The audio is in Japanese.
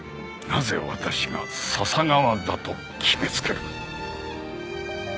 なぜ私が笹川だと決めつける？